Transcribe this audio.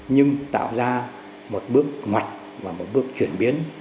nhưng tạo ra một bước ngoặt và một bước chuyển biến